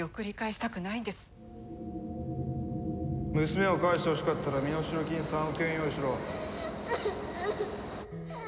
娘を返してほしかったら身代金３億円用意しろ。